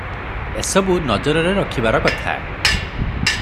ଏ ସବୁ ନଜରରେ ରଖିବାର କଥା ।